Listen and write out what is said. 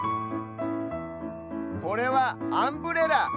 これはアンブレラ。